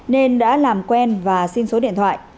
nên đã làm quen và xin số điện thoại